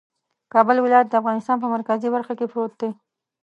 کابل ولایت د افغانستان په مرکزي برخه کې پروت دی